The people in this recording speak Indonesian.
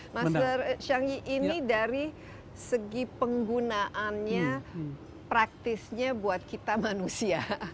master shangi ini dari segi penggunaannya praktisnya buat kita manusia